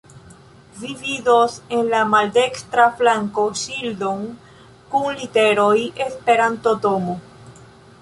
Vi vidos en la maldekstra flanko ŝildon kun literoj "Esperanto-Domo".